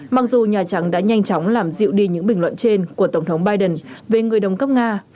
mặc dù nhà trắng đã nhanh chóng làm dịu đi những bình luận trên của tổng thống biden về người đồng cấp nga